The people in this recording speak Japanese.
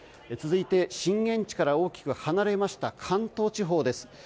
続いて、震源地から大きく離れました関東地方です。